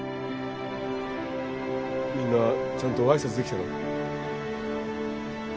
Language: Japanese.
みんなちゃんと挨拶できたか？